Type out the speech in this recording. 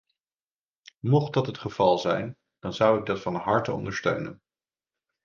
Mocht dat het geval zijn, dan zou ik dat van harte ondersteunen.